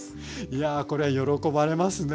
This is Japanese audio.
いやこれは喜ばれますね。